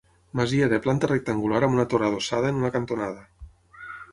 Masia de planta rectangular amb una torre adossada en una cantonada.